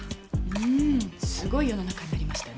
うんすごい世の中になりましたね。